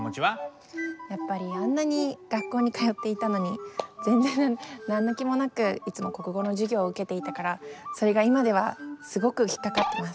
やっぱりあんなに学校に通っていたのに全然何の気もなくいつも国語の授業を受けていたからそれが今ではすごく引っかかってます。